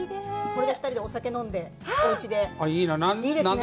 これで２人でお酒を飲んで、おうちで。